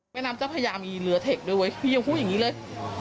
แม่น้ำเจ้าพระยามีเรือเทคด้วยเว้ยพี่ยังพูดอย่างนี้เลย